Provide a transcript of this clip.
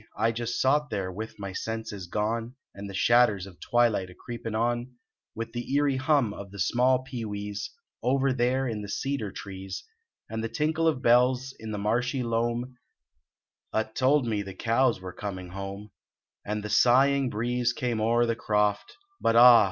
I just sot there with my senses gone And the shadders of twilight a creepin on, With the eerie hum of the small pee wees, Over there in the cedar trees, And the tinkle of bells in the marshy loam At told me the cows were coming home, And the sighing breeze came o er the croft But ah!